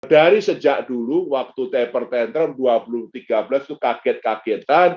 dari sejak dulu waktu paper tenter dua ribu tiga belas itu kaget kagetan